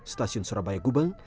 stasiun surabaya gubeng